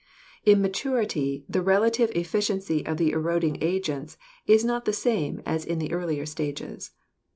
In maturity the relative efficiency of the eroding agents is not the same as in the earlier stages.